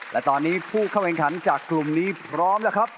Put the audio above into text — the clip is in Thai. และตอนนี้ผู้เข้าแข่งขันจากกลุ่มนี้พร้อมแล้วครับ